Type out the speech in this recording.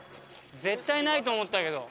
絶対ないと思ったけど。